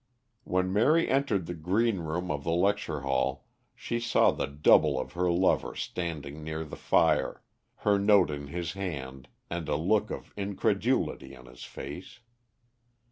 When Mary entered the green room of the lecture hall she saw the double of her lover standing near the fire, her note in his hand and a look of incredulity on his face.